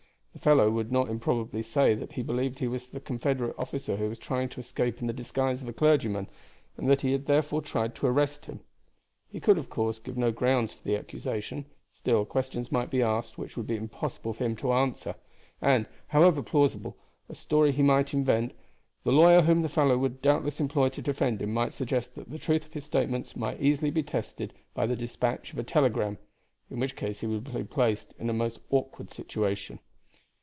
The fellow would not improbably say that he believed he was the Confederate officer who was trying to escape in the disguise of a clergyman and that he had therefore tried to arrest him. He could of course give no grounds for the accusation, still questions might be asked which would be impossible for him to answer; and, however plausible a story he might invent, the lawyer whom the fellow would doubtless employ to defend him might suggest that the truth of his statements might be easily tested by the despatch of a telegram, in which case he would be placed in a most awkward situation.